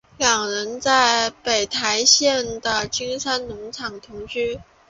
两人在台北县的金山农场同居。